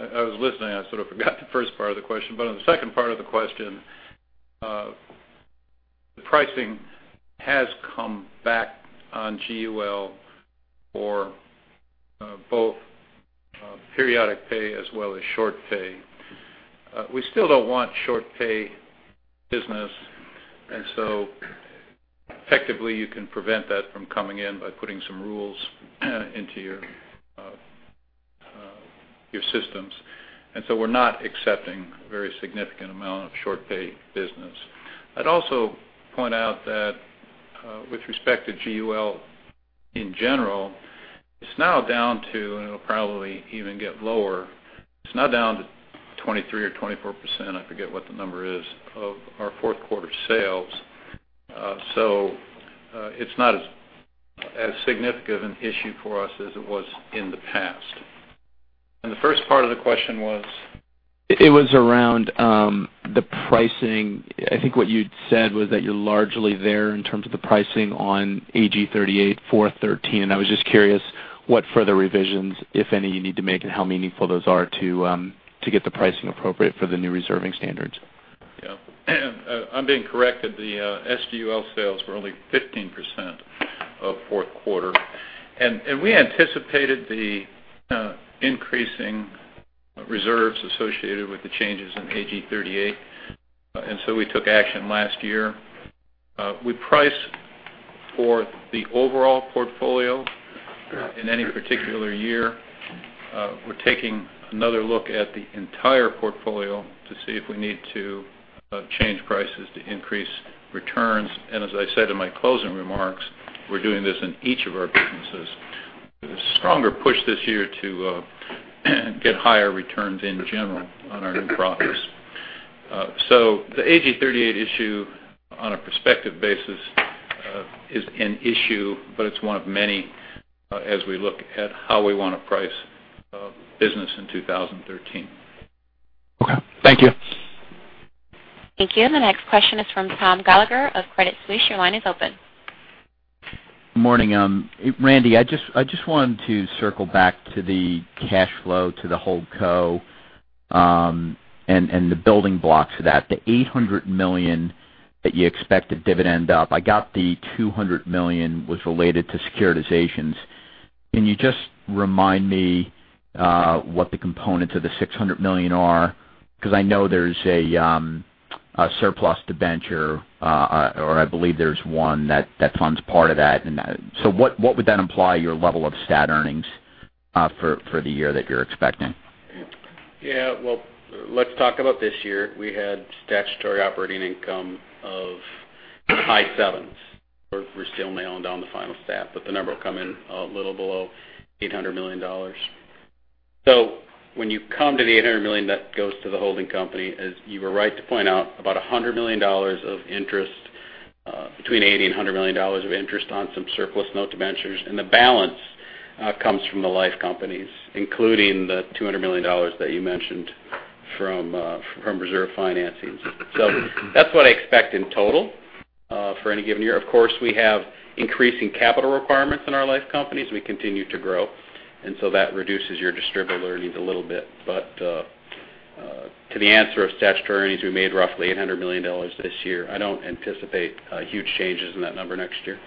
I was listening, I sort of forgot the first part of the question. On the second part of the question. The pricing has come back on GUL for both periodic pay as well as short pay. We still don't want short pay business, effectively you can prevent that from coming in by putting some rules into your systems. We're not accepting a very significant amount of short pay business. I'd also point out that with respect to GUL in general, it's now down to, and it'll probably even get lower, it's now down to 23% or 24%, I forget what the number is, of our fourth quarter sales. It's not as significant an issue for us as it was in the past. The first part of the question was? It was around the pricing. I think what you'd said was that you're largely there in terms of the pricing on Actuarial Guideline 38, 2013. I was just curious what further revisions, if any, you need to make and how meaningful those are to get the pricing appropriate for the new reserving standards. Yeah. I'm being corrected, the SGUL sales were only 15% of fourth quarter. We anticipated the increasing reserves associated with the changes in AG38, we took action last year. We price for the overall portfolio in any particular year. We're taking another look at the entire portfolio to see if we need to change prices to increase returns, as I said in my closing remarks, we're doing this in each of our businesses. There's a stronger push this year to get higher returns in general on our new products. The AG38 issue on a prospective basis, is an issue, but it's one of many as we look at how we want to price business in 2013. Okay. Thank you. Thank you. The next question is from Tom Gallagher of Credit Suisse. Your line is open. Morning. Randy, I just wanted to circle back to the cash flow to the holdco, the building blocks for that. The $800 million that you expect to dividend up. I got the $200 million was related to securitizations. Can you just remind me what the components of the $600 million are? I know there's a surplus debenture, or I believe there's one that funds part of that. What would that imply your level of stat earnings for the year that you're expecting? Yeah. Well, let's talk about this year. We had statutory operating income of high sevens. We're still nailing down the final stat, but the number will come in a little below $800 million. When you come to the $800 million that goes to the holding company, as you were right to point out, about $100 million of interest, between $80 million and $100 million of interest on some surplus note debentures. The balance comes from the life companies, including the $200 million that you mentioned from reserve financings. That's what I expect in total for any given year. Of course, we have increasing capital requirements in our life companies. We continue to grow, that reduces your distributable earnings a little bit. To the answer of statutory earnings, we made roughly $800 million this year. I don't anticipate huge changes in that number next year.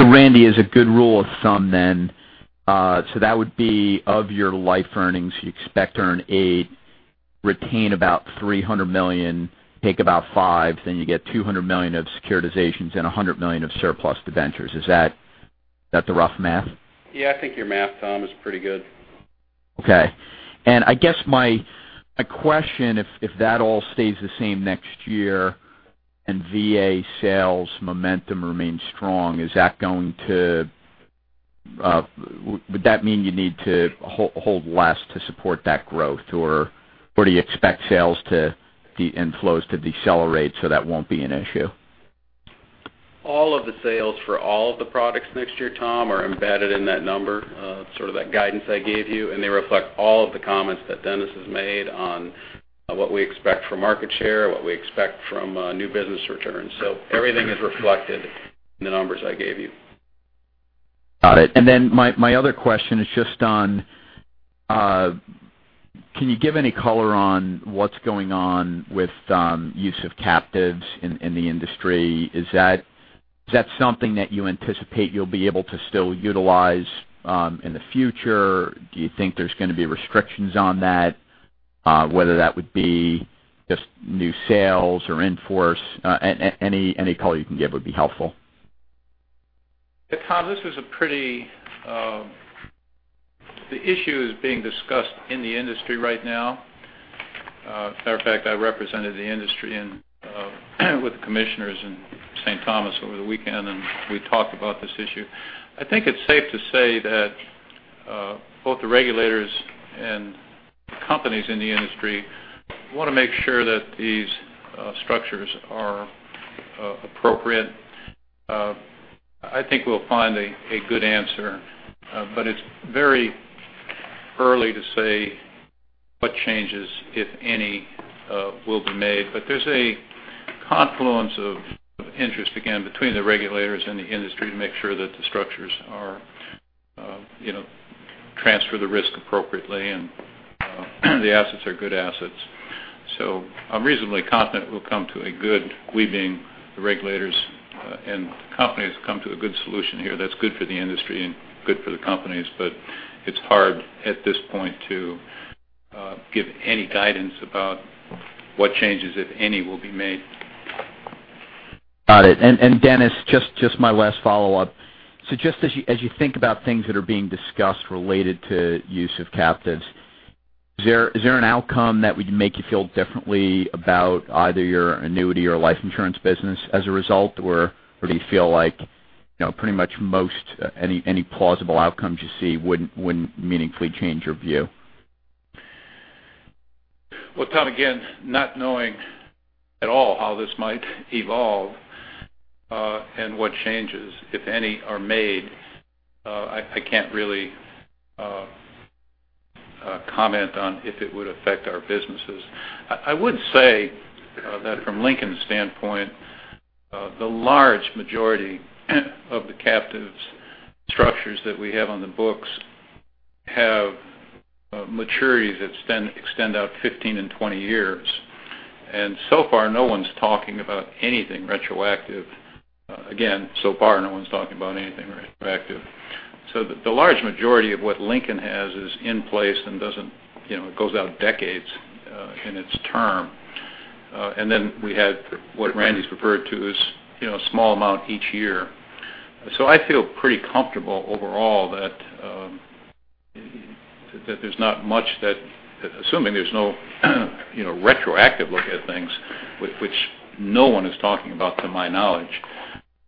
Randy, as a good rule of thumb, that would be of your life earnings, you expect to earn 8, retain about $300 million, take about 5, you get $200 million of securitizations and $100 million of surplus debentures. Is that the rough math? Yeah, I think your math, Tom, is pretty good. Okay. I guess my question, if that all stays the same next year and VA sales momentum remains strong, would that mean you need to hold less to support that growth, or do you expect sales inflows to decelerate so that won't be an issue? All of the sales for all of the products next year, Tom, are embedded in that number, sort of that guidance I gave you, and they reflect all of the comments that Dennis has made on what we expect from market share, what we expect from new business returns. Everything is reflected in the numbers I gave you. Got it. My other question is, can you give any color on what's going on with use of captives in the industry? Is that something that you anticipate you'll be able to still utilize in the future? Do you think there's going to be restrictions on that? Whether that would be just new sales or in force, any color you can give would be helpful. Yeah, Tom. The issue is being discussed in the industry right now. As a matter of fact, I represented the industry with the commissioners in St. Thomas over the weekend, we talked about this issue. I think it's safe to say that both the regulators and the companies in the industry want to make sure that these structures are appropriate. I think we'll find a good answer. It's very early to say what changes, if any, will be made. There's a confluence of interest, again, between the regulators and the industry to make sure that the structures transfer the risk appropriately, and the assets are good assets. I'm reasonably confident we'll come to a good, we being the regulators and the companies, come to a good solution here that's good for the industry and good for the companies. It's hard at this point to give any guidance about what changes, if any, will be made. Got it. Dennis, just my last follow-up. Just as you think about things that are being discussed related to use of captives, is there an outcome that would make you feel differently about either your annuity or life insurance business as a result? Or do you feel like pretty much any plausible outcomes you see would meaningfully change your view? Well, Tom, again, not knowing at all how this might evolve and what changes, if any, are made, I can't really comment on if it would affect our businesses. I would say that from Lincoln's standpoint, the large majority of the captives structures that we have on the books have maturities that extend out 15 and 20 years. So far, no one's talking about anything retroactive. Again, so far, no one's talking about anything retroactive. The large majority of what Lincoln has is in place, and it goes out decades in its term. Then we have what Randy's referred to as a small amount each year. I feel pretty comfortable overall that there's not much that, assuming there's no retroactive look at things, which no one is talking about to my knowledge.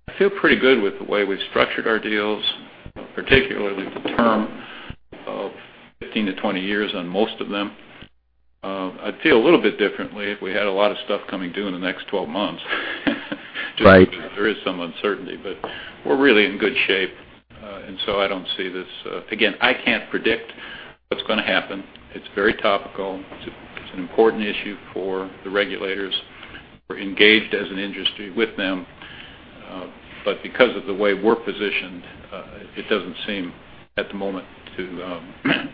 I feel pretty good with the way we've structured our deals, particularly the term of 15 to 20 years on most of them. I'd feel a little bit differently if we had a lot of stuff coming due in the next 12 months. Right. There is some uncertainty, but we're really in good shape. I don't see this. Again, I can't predict what's going to happen. It's very topical. It's an important issue for the regulators. We're engaged as an industry with them. Because of the way we're positioned, it doesn't seem at the moment to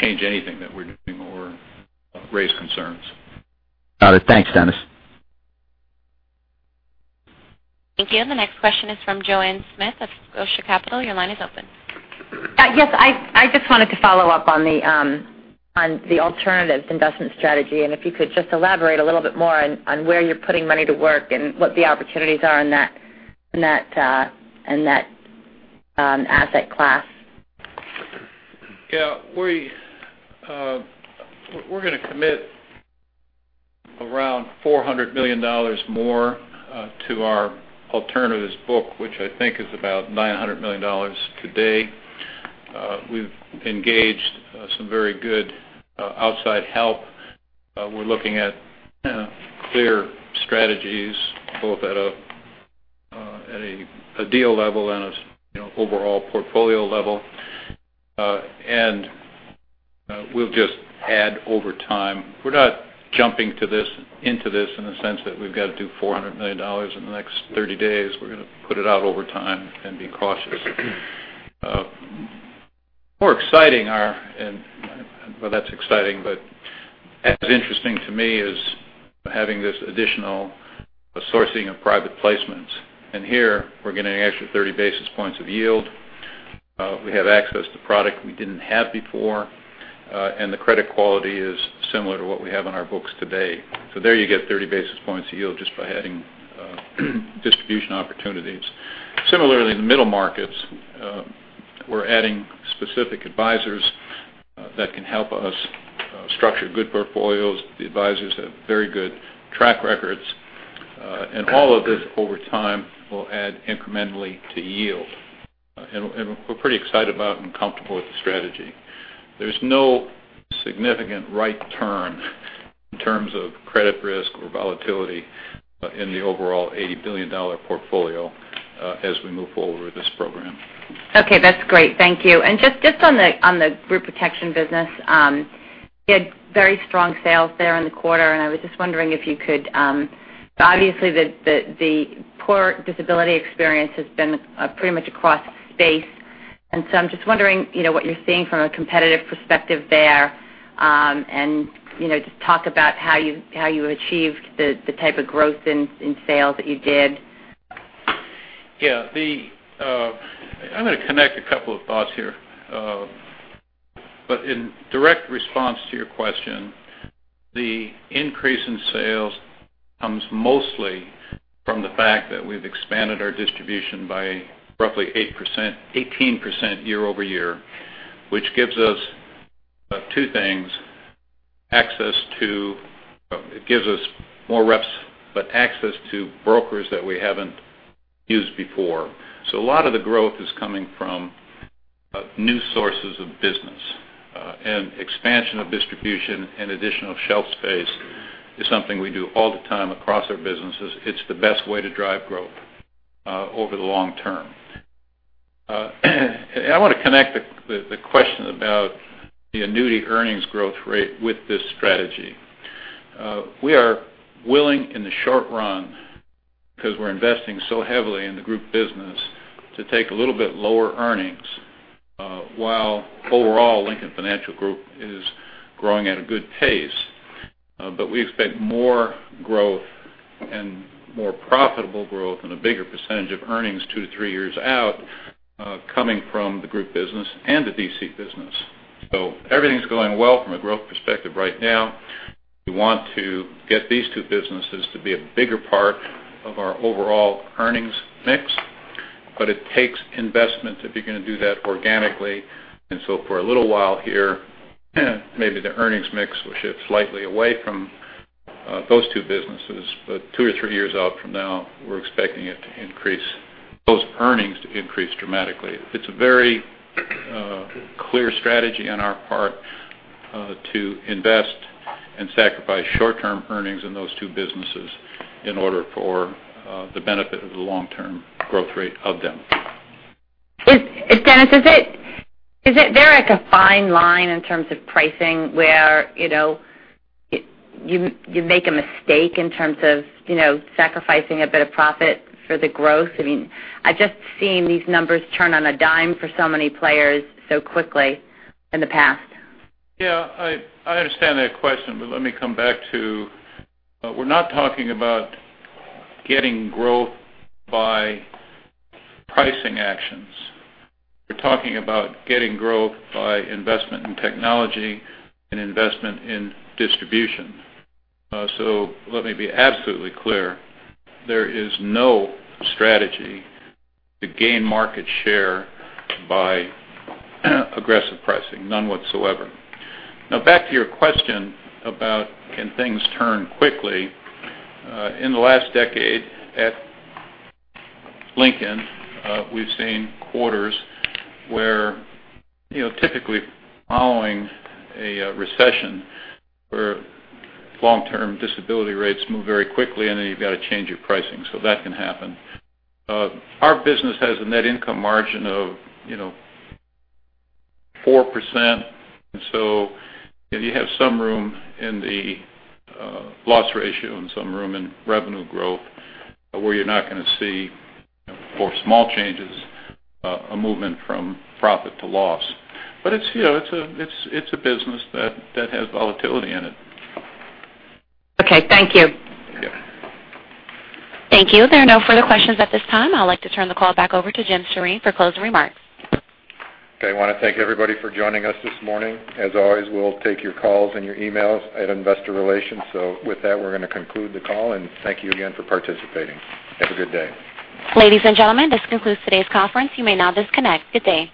change anything that we're doing or raise concerns. Got it. Thanks, Dennis. Thank you. The next question is from Joanne Smith of Scotia Capital. Your line is open. Yes. I just wanted to follow up on the alternatives investment strategy, and if you could just elaborate a little bit more on where you're putting money to work and what the opportunities are in that asset class. We're going to commit around $400 million more to our alternatives book, which I think is about $900 million today. We've engaged some very good outside help. We're looking at clear strategies both at a deal level and an overall portfolio level. We'll just add over time. We're not jumping into this in the sense that we've got to do $400 million in the next 30 days. We're going to put it out over time and be cautious. More exciting are, and well, that's exciting, but as interesting to me is having this additional sourcing of private placements. Here, we're getting an extra 30 basis points of yield. We have access to product we didn't have before. The credit quality is similar to what we have on our books today. There you get 30 basis points of yield just by adding distribution opportunities. Similarly, in the middle markets, we're adding specific advisors that can help us structure good portfolios. The advisors have very good track records. All of this over time will add incrementally to yield. We're pretty excited about and comfortable with the strategy. There's no significant right turn in terms of credit risk or volatility in the overall $80 billion portfolio as we move forward with this program. Okay, that's great. Thank you. Just on the group protection business, you had very strong sales there in the quarter. Obviously, the poor disability experience has been pretty much across the space. I'm just wondering what you're seeing from a competitive perspective there and just talk about how you achieved the type of growth in sales that you did. Yeah. I'm going to connect a couple of thoughts here. In direct response to your question, the increase in sales comes mostly from the fact that we've expanded our distribution by roughly 18% year-over-year, which gives us two things. It gives us more reps, but access to brokers that we haven't used before. A lot of the growth is coming from new sources of business. Expansion of distribution and additional shelf space is something we do all the time across our businesses. It's the best way to drive growth over the long term. I want to connect the question about the annuity earnings growth rate with this strategy. We are willing in the short run Because we're investing so heavily in the group business to take a little bit lower earnings, while overall Lincoln Financial Group is growing at a good pace. We expect more growth and more profitable growth and a bigger percentage of earnings two to three years out, coming from the group business and the DC business. Everything's going well from a growth perspective right now. We want to get these two businesses to be a bigger part of our overall earnings mix. It takes investment if you're going to do that organically, for a little while here, maybe the earnings mix will shift slightly away from those two businesses. Two to three years out from now, we're expecting those earnings to increase dramatically. It's a very clear strategy on our part to invest and sacrifice short-term earnings in those two businesses in order for the benefit of the long-term growth rate of them. Dennis, is there like a fine line in terms of pricing where you make a mistake in terms of sacrificing a bit of profit for the growth? I've just seen these numbers turn on a dime for so many players so quickly in the past. Yeah, I understand that question, but let me come back to, we're not talking about getting growth by pricing actions. We're talking about getting growth by investment in technology and investment in distribution. Let me be absolutely clear. There is no strategy to gain market share by aggressive pricing, none whatsoever. Now, back to your question about, can things turn quickly? In the last decade at Lincoln, we've seen quarters where typically following a recession where long-term disability rates move very quickly, and then you've got to change your pricing, so that can happen. Our business has a net income margin of 4%, and so if you have some room in the loss ratio and some room in revenue growth, where you're not going to see for small changes, a movement from profit to loss. But it's a business that has volatility in it. Okay. Thank you. Yeah. Thank you. There are no further questions at this time. I'd like to turn the call back over to James Sjoreen for closing remarks. Okay. I want to thank everybody for joining us this morning. As always, we'll take your calls and your emails at Investor Relations. With that, we're going to conclude the call, and thank you again for participating. Have a good day. Ladies and gentlemen, this concludes today's conference. You may now disconnect. Good day.